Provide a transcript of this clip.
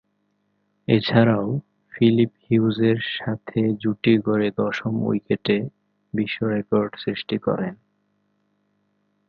এছাড়াও, ফিলিপ হিউজের সাথে জুটি গড়ে দশম উইকেটে বিশ্বরেকর্ড সৃষ্টি করেন।